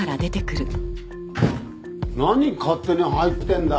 何勝手に入ってんだ。